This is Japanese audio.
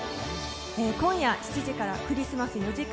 今夜７時からクリスマス４時間